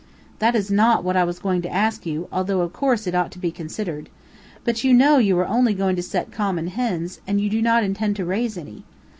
"That is not what I was going to ask you, although of course it ought to be considered. But you know you are only going to set common hens, and you do not intend to raise any.